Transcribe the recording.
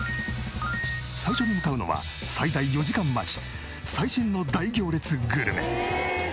最初に向かうのは最大４時間待ち最新の大行列グルメ。